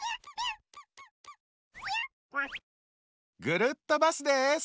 ぐるっとバスです。